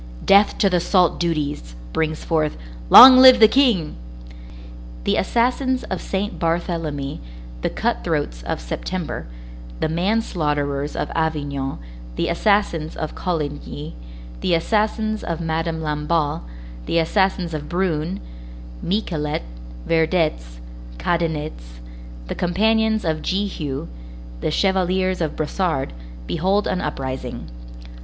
"Death to the salt duties," brings forth, "Long live the King!" The assassins of Saint Barthélemy, the cut throats of September, the manslaughterers of Avignon, the assassins of Coligny, the assassins of Madam Lamballe, the assassins of Brune, Miquelets, Verdets, Cadenettes, the companions of Jéhu, the chevaliers of Brassard,—behold an uprising.